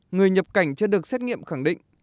người nhập cảnh chưa được xét nghiệm khẳng định